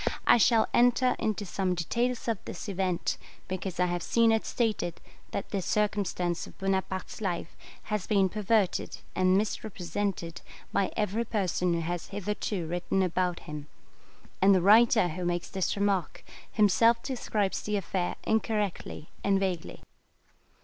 I shall enter into some details of this event, because I have seen it stated that this circumstance of Bonaparte's life has been perverted and misrepresented by every person who has hitherto written about him; and the writer who makes this remark, himself describes the affair incorrectly and vaguely.